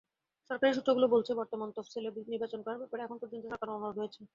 সরকারি সূত্রগুলো বলছে, বর্তমান তফসিলে নির্বাচন করার ব্যাপারে এখন পর্যন্ত সরকার অনড় রয়েছে।